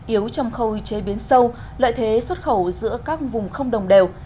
yếu trong khâu chế biến sâu lợi thế xuất khẩu giữa các vùng không đồng đều